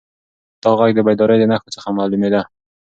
دا غږ د بیدارۍ د نښو څخه معلومېده.